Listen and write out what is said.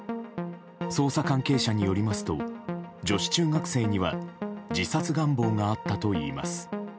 捜査関係者によりますと女子中学生には自殺願望があったといいます。